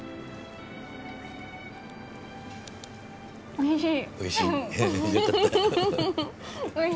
おいしい。